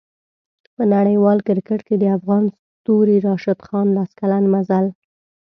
په نړیوال کریکټ کې د افغان ستوري راشد خان لس کلن مزل